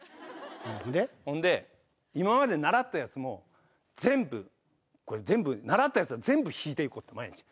ほんで今まで習ったやつも全部習ったやつは全部弾いて行こうって毎日。